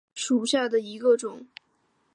单叶贯众为鳞毛蕨科贯众属下的一个种。